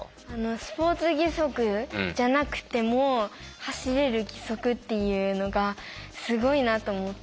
スポーツ義足じゃなくても走れる義足っていうのがすごいなと思って。